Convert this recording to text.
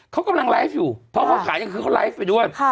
เขากำลังไลฟ์อยู่เพราะเขาขายยังคือเขาไลฟ์ไปด้วย